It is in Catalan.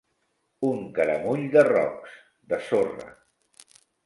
Un caramull de rocs, de sorra.